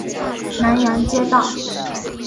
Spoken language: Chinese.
南阳街道